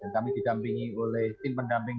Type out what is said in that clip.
kami didampingi oleh tim pendamping